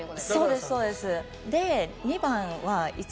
そうですそうです。で。